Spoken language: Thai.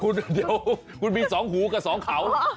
เดี๋ยวคุณมี๒หูกับสองเขา